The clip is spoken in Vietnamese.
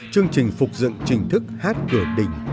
chương trình phục dựng trình thức hát cửa đình